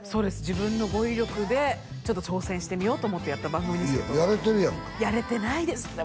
自分の語彙力でちょっと挑戦してみようと思ってやった番組ですけどやれてるやんかやれてないですって